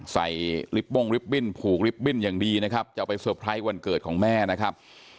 ลิฟต์บ้งลิฟตบิ้นผูกลิฟตบิ้นอย่างดีนะครับจะเอาไปเตอร์ไพรส์วันเกิดของแม่นะครับ